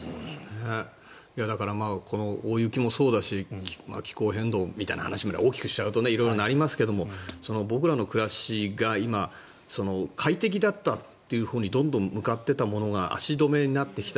だからこの大雪もそうだし気候変動みたいな話まで大きくしちゃうと色々なりますが僕らの暮らしが今快適だったというほうにどんどん向かっていたものが足止めになってきた。